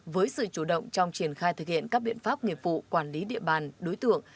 với sự chủ động trong triển khai thực hiện các biện pháp nghiệp vụ quản lý địa bàn đối tượng